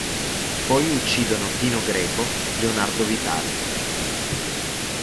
Poi uccidono Pino Greco, Leonardo Vitale.